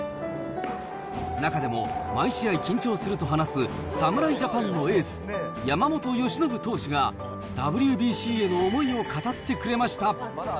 中でも、毎試合、緊張すると話す、侍ジャパンのエース、山本由伸選手がＷＢＣへの思いを語ってくれました。